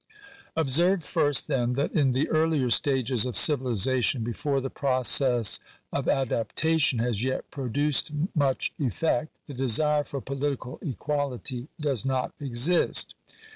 Observe first, then, that in the earlier stages of civilization, before the process of adaptation has yet produced much effect, the desire for political equality does not exist.